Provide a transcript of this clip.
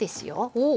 おお。